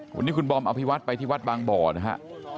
วันนี้คุณบอมอภิวัตไปที่วัดบางบ่อนะฮะ